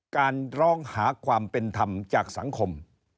การร้องหาความเป็นธรรมจากสังคม